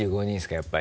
やっぱり。